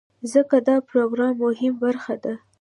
ځکه دا د پروګرام مهمه برخه ده.